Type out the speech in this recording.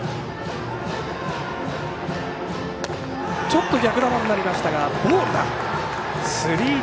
ちょっと逆球になりましたがボールだ。